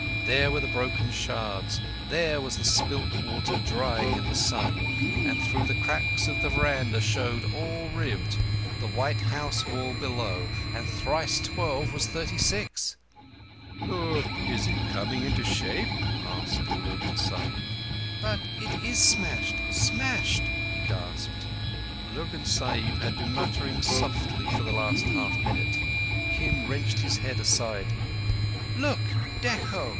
There were the broken shards; there was the spilt water drying in the sun, and through the cracks of the veranda showed, all ribbed, the white house wall below—and thrice twelve was thirty six! "Look! Is it coming into shape?" asked Lurgan Sahib. "But it is smashed—smashed," he gasped—Lurgan Sahib had been muttering softly for the last half minute. Kim wrenched his head aside. "Look! _Dekho!